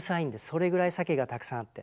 それぐらいサケがたくさんあって。